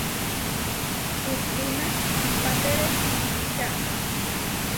Hustína siʼpátere sipičá.